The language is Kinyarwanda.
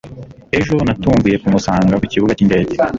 Ejo natunguye kumusanga ku kibuga cyindege